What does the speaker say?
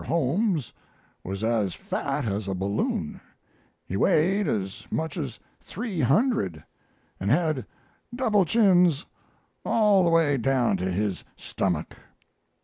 Holmes was as fat as a balloon; he weighed as much as three hundered, and had double chins all the way down to his stomach.